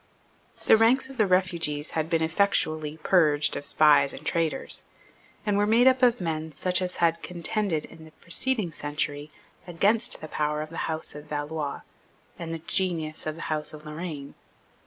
The ranks of the refugees had been effectually purged of spies and traitors, and were made up of men such as had contended in the preceding century against the power of the House of Valois and the genius of the House of Lorraine.